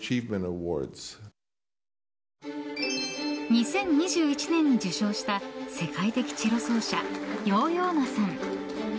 ２０２１年に受賞した世界的チェロ奏者ヨーヨー・マさん。